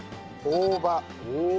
大葉。